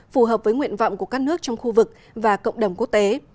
phù hợp với nguyện vọng của các nước trong khu vực và cộng đồng quốc tế